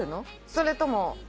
それとも。